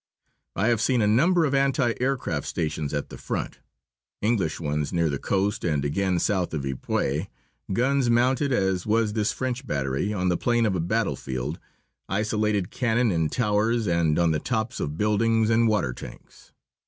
I have seen a number of anti aircraft stations at the front: English ones near the coast and again south of Ypres; guns mounted, as was this French battery, on the plain of a battlefield; isolated cannon in towers and on the tops of buildings and water tanks.